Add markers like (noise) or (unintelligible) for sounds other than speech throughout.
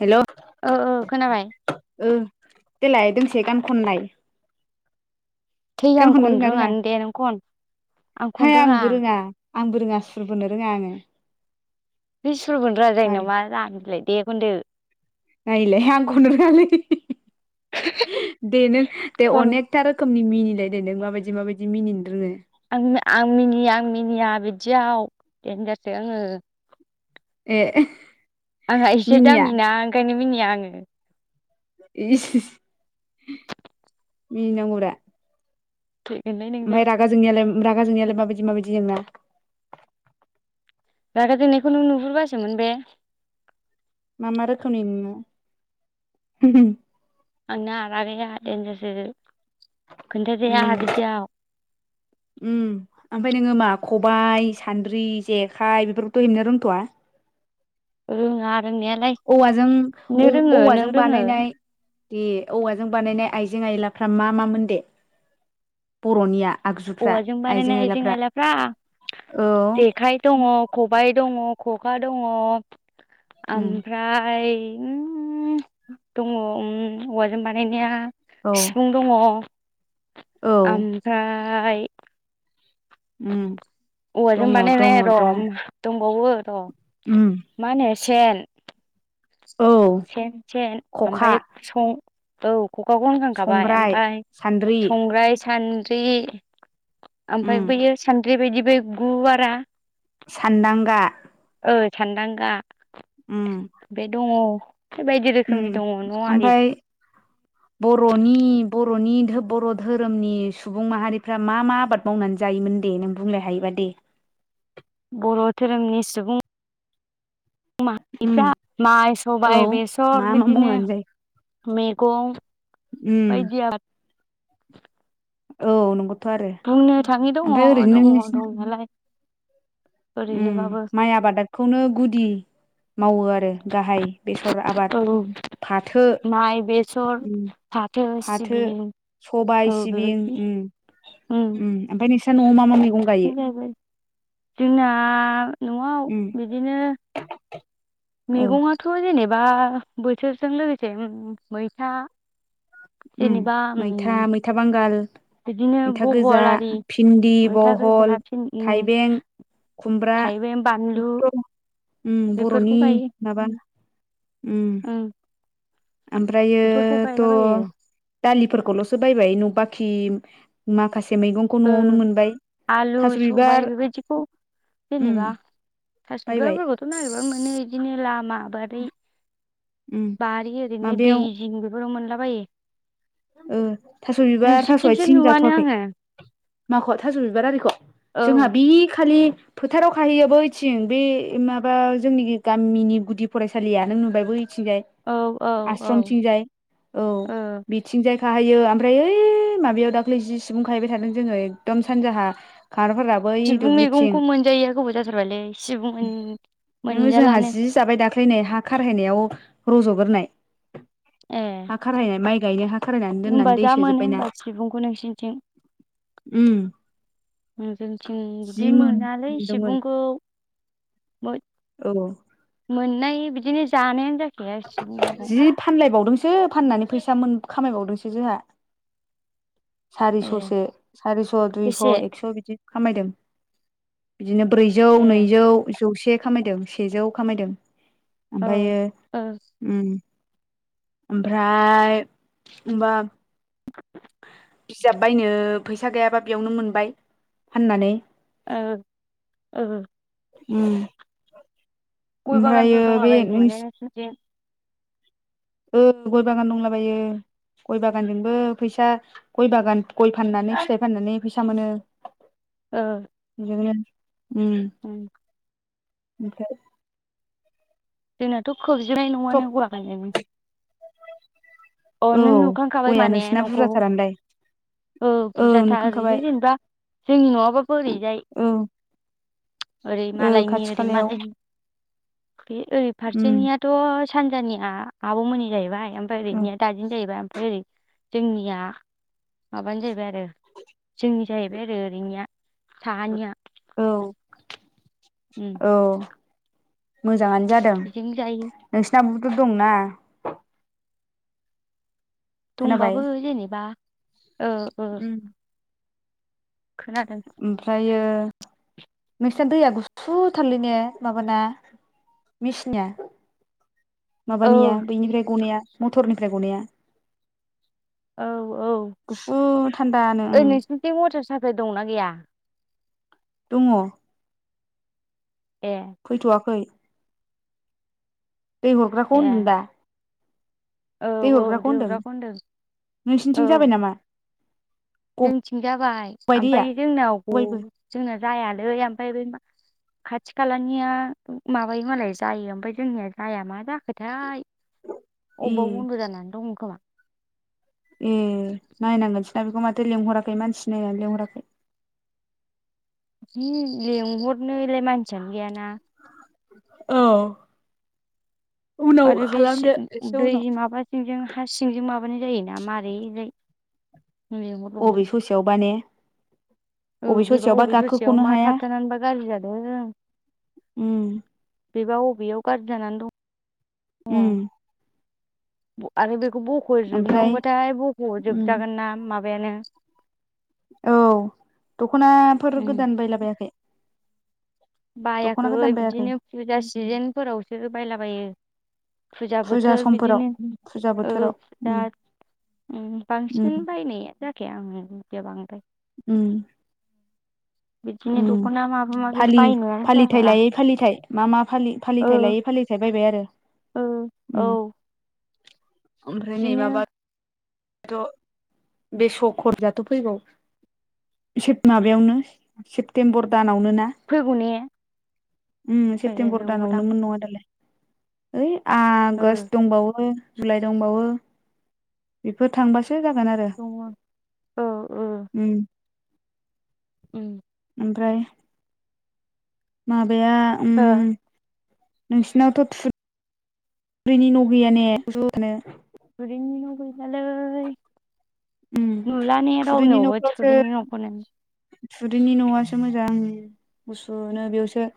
हेलै। ओ ओ खोनाबाय। ओम देलाय दोंसे गान खननाय। थै आं गानखनो रोंगौ खननो ना रोङा? रोङानो दे नों खन आं खननो हाय आंबो रोङा। आंबो रोंङा सुरबोनो रोङा आङो। हैइ सुरबोनो रोङा जायो मारै नामा जामबिलाय दे खनदो। नायलाय आं खननो रोङालै दे नों अनेक खन अनेखथा रोखोमनि मिनिलाय देनाय नों माबायदि माबायदि मिनिनो रोङो। आं आं मिनिया आं मिनिया बिदियाव देनजारसो आङो। ए। आंहा एसे मिनिया दामि ना ओंखायनो मिनिया आङो। इस मिनिनांगौरा। थैगोनलै नोंजों रागा जोंनायालाय रागा जोंनायलाय माबायदि माबायदि नोंना रागा जोंनायखौ नों नुहुरबासोमोन बे मा मा रोखोमनि नोंङो आंना रागाया देनजारसो खोन्थाजाया उम। (inaudible) उम ओमफ्राय नोङो मा खबाइ सान्द्रि जेखाइ बेफोरखौथ' हेबनो रोंथ'वा रोङा रोंनायालाय औवाजों नों औ रोङो नों औवाजों रोङो बानायनाय दे औवाजों बानायनाय आइजें आइलाफ्रा मा मामोन दे बर'निया आगजुफ्रा औवाजों बानायनाय आइजें आयलाफ्रा आइलाफ्रा औ जे आखाइ दङ खबाय दङ खखा दङ उम ओमफ्राय उम दङ उम औवाजों बानायनाया औ सिफुं दङ औ आमफाय उम। औवाजों दङ दङ बानायनाय र' दङ दंबावो र' उम। मा होनो सेन औ सेन सेन खखा ओमफाय सं औ खखाखौ होनखांखाबाय संग्राय ओमफाय सान्द्रि संग्राय सान्द्रि ओमफ्राय उम बैयो सानद्रि बायदि बै गुवारा सानदांगा ओ सान्दांगा उम। बे दङ बायदि उम रोखोमनि दङ न' आरि ओमफाय बर'नि बर'नि बर' धोरोमनि सुबुं माहारिफ्रा मा मा आबाद मावनानै जायोमोन दे नों बुंलाय हायोबा दे। बर' धोरोमनि सुबुं उम माहारिफ्रा माइ औ सबाय बेसर मा मा बिदिनो मावनानै जायो मेगं उम बायदि आबाद औ नंगौ बुंनो थाङै दङ दङ नोंसि दंनायालाय उम ओरैनोबाबो माइ आबादादखौनो गुदि मावो आरो गाहाय बेसर आबाद औ फाथो माइ बेसर उम फाथो फाथो सिबिं औ सबाय सिबिं बेबायदि उम उम ओमफ्राय नोंसा न'आव मा मा मैगं गायो जोंना न'आव उम बिदिनो औ मैगङाथ' जेनेबा बोथोरजों लोगोसे मैथा उम जेनेबा मैथा उम मैथा बांगाल बिदिनो मैथा गोजा बहल आरि भिन्दि मैथा बहल गोजा फिन उम थाइबें खुमब्रा थाइबें बानलु बेखौथ' बेफोरखौ बर'नि गायो माबा उम बेफोरखौ ओमफ्रथ' गायलाबायो दालिफोरखौल'सो बायबाय न बाखि माखासे मैगं आलु सबाय बेबायदिखौ उम जेनेबा ‌ थास' बायबाय बिबारफोरखौथ नागिरबा मोनो बिदिनो लामा बारि उम बारि ओरैनो दै माबायाव जिंबो ‌ बो मोनलाबायो। थास' बिबार थास' नोंसिनिथिंसो आथिं नुवानो जाथ'वाखै? आङो माखौ थास' बिबार आरिखौ औ जोंहा बे खालि फोथाराव खाहैयो बैथिं बे माबा जोंनि गामिनि गुदि फरायसालिया नों नुबाय बैथिंजाय औ औ औ आश्रमथिं जाय औ। ओ बिथिंजाय खाहैयो आमफ्राय ओइ माबायाव दाख्लै जि सुबुं खाहैबाय थादों जोङो एकदम सानजाहा। (unintelligible) सिबुं दुब्लिथिं मैगंखौ मोनजायैया गोबाव जाथारबायलै सिबुं जोंहा मोनजालानो जि जाबाय दाख्लै नै हा खारहैनायाव रज'गोरनाय ए हा खारहैनाय माइ गायनो हा खारहायनानै होमबा दोननानै दै जा मोनो सोजोब्बायना होमबा सिबुंखौ नोंसिनिथिं? उम उम जोंनिथिं जि बिदि मोन मोनालै मोनदोंमोन सिबुंखौ। बै औ मोननाय बिदिनो जानायानो जाखाया सिबुं मैगं। जि फानलायबावदोंसो फाननानै फैसा मोन खामायबावदोंसो जोंहा। सारिस'सो ए सारिस' दुइस' बेसे एक्स' बिदि खामायदों। बिदिनो ब्रैजौ ए नैजौ जौसे खामायदों सेजौ खामायदों। औ ओमफ्रायो ओ उम आमफ्राय बा (inaudible) बिजाब बायनो फैसा गैयाबा बेयावनो मोनबाय फाननानै। ओ ओ उम गय बागानफोर ओमफ्रायो बे दंलाबायो खोमाने (unintelligible) नोंसिनिथिं ओ गय बागान दंलाबायो गय बागानजोंबो फैसा गय बागान गय फाननानै फिथाइ फाननानै फैसा मोनो। ओ बिजोंनो उम उम ओमफ्राय जोंनाथ' खोबजोबनाय न'आनो गय बागानजोंनो। अ औ नों नुखांखाबाय गया माने नोंसिना न'खौ बुरजाथारानोलाय ओ औ बुरजाथार नुखांखाबाय इदिनो जेनेबा जों न'ङाबा बोरैजाय। औ ओरै औ मालायनि खाथि ओरै खालायाव मालायनि। बे ओरै उम फारसेनियाथ' सानजानिया आबमोननि जाहैबाय। ओमफ्राय औ ओरैनिया दादिनि जाहैबाय ओमफ्राय ओरै जोंनिया माबानि जाहैबाय आरो जोंनि जाहैबाय आरो ओरैनिया साहानिया। औ उम औ मोजाङानो जादों। बिदिनो जायो। नोंसिनियाबुथ दंना। खोनाबाय दंबाबो जेनेबा ओ ओ उम खोनादों ओमफ्रायो नोंसिना दैया गुसुथारलै ने माबाना? मेसिनया औ माबानिया बैनिफ्राय गनाया मथरनिफ्राय गनाया। औ औ। गुसु थान्दानो ओइ ओ। नोंसिनिथिं वाटार साप्लाइ दंना गैया? दङ। ए। फैथ'वाखै। दै हरग्राखौ ए होनदों दा। औ दै औ हरग्राखौ होनदों देवराखौ नोंसिनिथिं जाबाय औ नामा? जोंथिं जाबाय गबाय दैया आमफ्राय जोंनाव ग गबायबो जोंना जायालै ओमफ्राय बै मा खाथि खालानिया माबायो मालाय जायो ओमफ्राय जोंनिया मा जाखोथाय। अबबा ए बन्द जान दङ' खोमा? ए नायनांगोनसो दां ना बेखौ माथो लेंहराखै मानसि नायनानै लिंहराखै? ओहो लेंहरनो एलाय मानसियानो गैयाना। औ उनाव खालामदो एसे उनाव। सिंजों हा सिंजों माबानाय जायोना मारै जाय। अबे ससेयावबा ने। औ अबे बेबा ससेयावबा बबे ससेयाव गाखोख'नो मा हाया थाबथारनानैबा गाज्रि जादों। उम बेबा अबेआव गाज्रि जानानै दं। उम। आरो बेखौ ओमफ्राय बख'जोबनांगौबाथाय बख' उम जोबजागोन ना माबायानो। औ दख'नाफोर गोदान बायलाबायाखै? दख'ना बायाखै गोदान बायाखै बिदिनो फुजा सिजेनफोरावसो बायलाबायो। फुजा बोथोर बिदिनो फुजा ओ बोथोराव फुजा। उम ओ बांसिन उम बायनाया जायाखाया आं बिदि बांद्राय। उम। बिदिनो ओ दख'ना माबा माबि फालि बायनायानो जाया फालिथाय बारा लायै फालिथाय मा मा फालि ओ फालिथाय लायै फालिथाय। फाय बायबाय आरो। ओ औ। उम ओमफ्राय नै बिदिनो माबाथ' बेसकरमायाथ' फैगौ। सेप माबायावनो सेप्तेम्बर दानावनो ना? फैगौ ने उम ए सेप्तेम्बर नंगौदां दानावनोमोन नङा दालाय? ओइ ओ आगष्ट दंबावो जुलाइ दंबावो। बेफोर थांबासो जागोन आरो। दङ औ औ। उम। उम। ओमफ्राय? माबाया ओ। हो नोंसिनावथ' थु रिनि न' गैया ने ज' थानो। थुरिनि न' गैयालै उम नुला ने थुरिनि रावनावबो न'फ्रावसो थुरिनि नखौनो। थुरिनि न'आसो मोजां गुसुनो बेयावसो।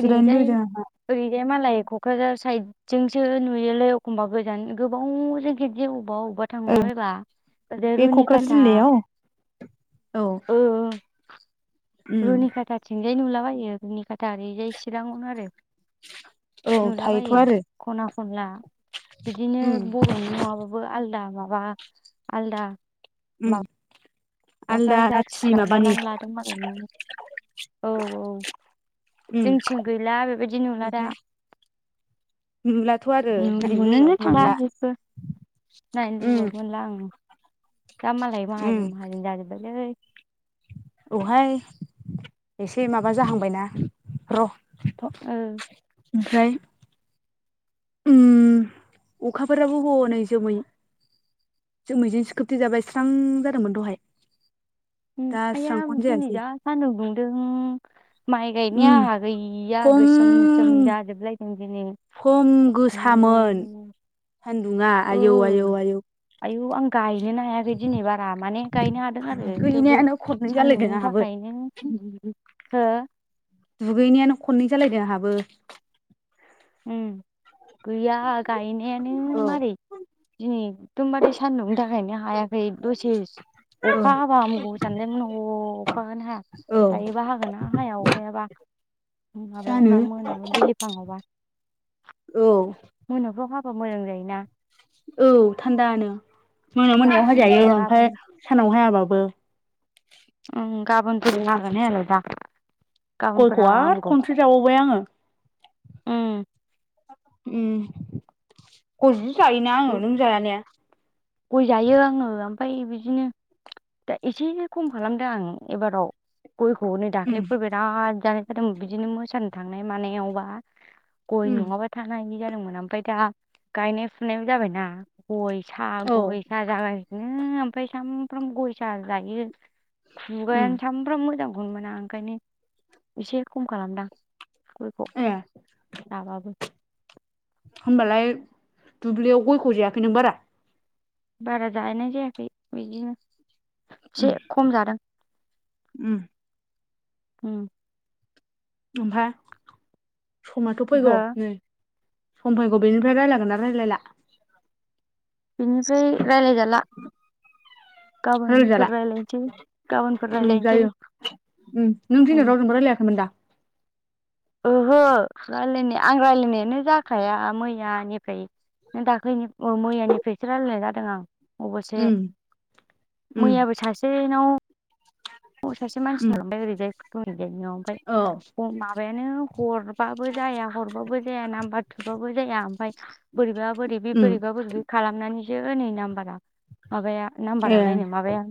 जिरायनो लुबैदों आंहा ओरैजाय मालाय क'क्राझार साइद। - जोंसो नुयोलै एखमबा गोजान गोबावजों खेबसे अबबा -अबबा थांला औ बायबा ओरैजाय बे क'क्राझार रुनिखाता जिल्लायाव औ ओ ओ उम रुनिखाता थिंजाय नुलाबायो रुनिखाता ओरैजाय चिराङावनो आरो। औ थायोथ' नुलाबायो आरो खना खनला बिदिनो उम ब बर'नि नङाबाबो आलदा माबा आलदा उम माबाफ्रा आलदा जाथि जाथिफ्रा माबानि माबानानै लादों मालाय न'आवनो औ औ उम जोंथिं गैला बेबायदि नुला दा। ओमफ्राय नुलाथ' आरो उम नायनो नुनोनो लुबैबाबो थांला मोनला जेबबो नायनो उम लुगैबाबो मोनला ओं दा मालाय माहाजोन माहाजोन जाजोब्बायलै औ हाय एसे माबा जाहांबायना र' थाथ' ओ ओमफ्राय उम अखाफोराबो‌ हनै जोमै जोमैजोंसो खोबथे जाबाय स्रां जादोंमोन दहाय। उम दा आइया स्रांखौनो दिनै जायासै जा सान्दुं दुंदों। माइ गायनाया उम आंहा गैया खम गोसोम सोम जाजोबलायदों दिनै। खम आयौ गोसामोन सान्दुङा आयौ आयौ ओ आयौ आयौ आं गायनोनो हायाखै दिनै बारा माने गायनो हादों आरो थेवबो दुगैनायानो खननै जालायदों सान्दुंनि आंहाबो थाखायनो हो दुगैनायानो खनै जालायदों आंहाबो उम गैया गायनायानो औ मारै दिनै एखदमबारे सान्दुंनि थाखायनो हायाखै दसे औ अखा हाबा हामगौ सान्दों न' अखाखोनो हाया औ दायो बा हागोन ना हाया अखायाबा जानो माबायावब्रा मोनायाव बिलिफाङावबा औ मोनाफ्राव हाबा मोजां जायोना। औ थान्दानो मोना गा मोनायाव हाजायो ओं गाबोन ओमफ्राय सानाव हायाबाबो। उम गाबोनफोरबो हागोना हाया बेबा गयखौ आरो खनसे जाबावबाय आङो। ओम उम गय जिजायो ना आङो नों जायाने गय जायो आङो ओमफाय बिदिनो दा एसे खम खालामदों आं एबाराव गयखौ नै उम दाख्लैफोर बिराद जानाय जादोंमोन बिदिनो मोसानो थांनाय मानायावबा गय उम नङाबा थानो हायि जादोंमोन ओमफाय दा गायनाय फुनायबो जाबायना गय सा औ गय, सा जागासिनो ओमफाय सामफ्रामबो गय, सा जायो। उम खुगायानो सामफ्रामबो मोजांखौनो मोना ओंखायनो एसे खम खालामदां। गयखौ‌ ए जाबाबो। होमबालाय दुब्लियाव गयखौ जायाखै नों बारा? बारा जाहैनाय जायाखै बिदिनो उम एसे खम जादों। उम उम ओमफाय समाथ' फैगौ हो नै सम फैगौ बेनिफ्राय रायलायगोना रायलायला? बेनिफ्राय रायलाय जाला। रायलायजाला गाबोनफोर रायलायसै गाबोनफोर उम रायलायनोसै जायो उम नों उम दिनै रावजोंबो रायलायाखैमोन दा ओहो रायलायनाय आं रायलायनायानो जाखाया मैयानिफ्राय नों दाख्लैनि ओ मैयानिफ्रायसो रायलायनाय जादों आं अबसे उम उम मैयाबो सासेनाव औ सासे उम मानसिनो ओमफ्राय ओरैजाय ओजायनियाव ओमफ्राय औ माबायानो हरबाबो जाया हरबाबो जाया नाम्बार थुबाबो जाया ओमफफ्राय बोरैबा बोरैबि बे उम बोरैबा बोरैब खालामनानैसो नै नाम्बारा माबाया ए नाम्बारालायनो माबाया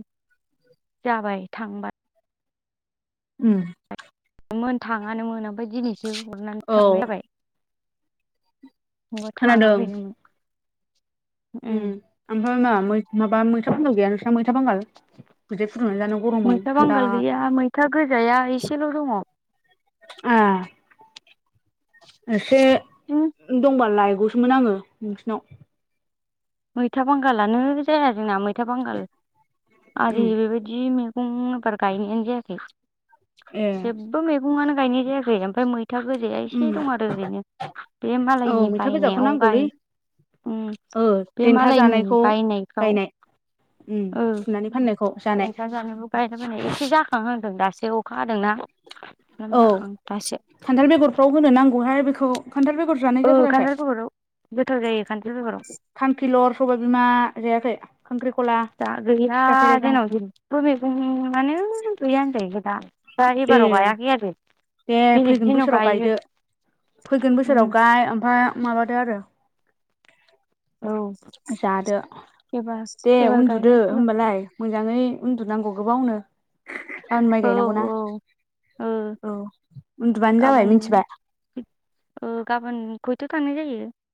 जाबाय थांबाय। उम मोन थाङानो ओमफ्राय दिनैसो हरनानैसो औ थांनाय जाबाय। नङाबा खोनादों थाङाखै मोन। उम ओमफ्राय मा माबा मैथा बांगाल गैया नोंस्रा मैथा बांगाल बिदाय फुदुंनानै जानांगौ। मैथा बांगाल गैया मैथा गोजाया एसेल' दङ। ए एसे बिदिनो दंबा लायगौ सोमोन आङो नोंसिनाव। मैथा बांगालानो जाया जोंना मैथा बांगाल आरि उम बेबायदि जि मैगं आबाद गायनायानो जायाखै ए जेबो मैगंआनो गायनाय जायाखै ओमफ्राय मैथा गोजाया उम एसे दं आरो ओरैनो बे औ मालायनि मैथा गोजाखौ बायनायाव नांगौलै गाय ओ बे देन्था मालायनि जानायखौ बायनायफ्राव गायनाय फुनानै फाननायखौ जानाय जानायबो गायना बोनाय एसे जाखां होनदों दासो अखा हादोंना। औ जाखां दासो खान्थाल बेगरफ्राव होनो नांगौहाय बेखौ खान्थाल बेगर जानाय ओ जाथाराखै। खान्थाल बेगराव गोथाव जायो खान्थाल ‌बेगराव। खांखिलर सबाय बिमा जायाखै? खांख्रिखला दा गैया थिथा केरेला जोंनाव जे बो मेगंआनो गैया होनजायो‌ दा जायोखदा दा ए एबाराव गायाखै आरो। दे बेलेग फैगोन दिनाव बोसोराव गायो गायदो फैगोन उम बोसोराव गाय ओमफाय माबादो आरो। औ जादो एबार दे एबार उन्दुदो गायनांसिगोन होमबालाय। मोजाङै उन्दनांगौ गोबावनो गाबोन माइ औ गायनांगौना। औ उन्दुबानो जाबाय गाबोन मिथिबाय ओ गाबोन खयथाआव' थांनाय जायो।